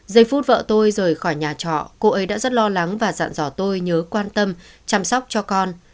giây phút vợ tôi rời khỏi nhà trọ cô ấy đã rất lo lắng và dặn dò tôi nhớ quan tâm chăm sóc cho con